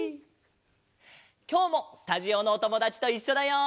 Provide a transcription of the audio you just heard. きょうもスタジオのおともだちといっしょだよ！